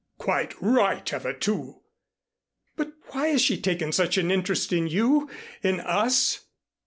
"Quite right of her, too." "But why has she taken such an interest in you in us?"